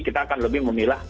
kita akan lebih memilah